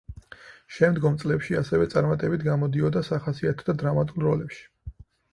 შემდგომ წლებში ასევე წარმატებით გამოდიოდა სახასიათო და დრამატულ როლებში.